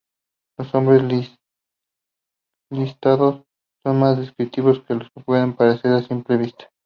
Los nombres listados son más descriptivos de lo que pueda parecer a simple vista.